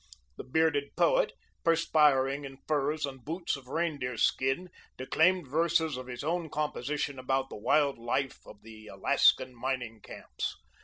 The bearded poet, perspiring in furs and boots of reindeer skin, declaimed verses of his own composition about the wild life of the Alaskan mining camps.